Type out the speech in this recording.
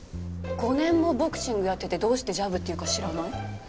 ５年もボクシングやっててどうしてジャブっていうか知らない？